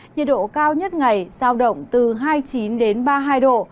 nhiệt độ cao nhất ngày sao động từ hai mươi chín đến ba mươi hai độ